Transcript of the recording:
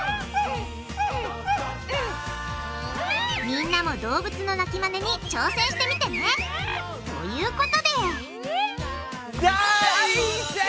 みんなも動物の鳴きマネに挑戦してみてね！ということで！